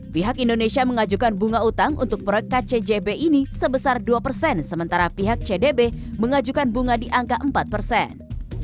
pihak indonesia mengajukan bunga utang untuk proyek kcjb ini sebesar dua persen sementara pihak cdb mengajukan bunga di angka empat persen